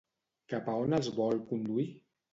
Cap a on els vol conduir?